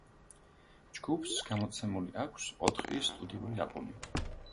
ჯგუფს გამოცემული აქვს ოთხი სტუდიური ალბომი.